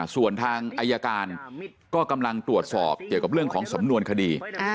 ส่วนทางอายการก็กำลังตรวจสอบเกี่ยวกับเรื่องของสำนวนคดี